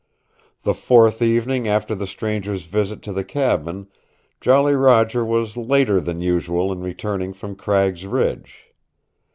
The fourth evening after the stranger's visit to the cabin Jolly Roger was later than usual in returning from Cragg's Ridge.